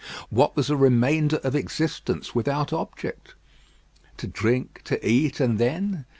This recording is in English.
What was a remainder of existence without object? To drink, to eat, and then?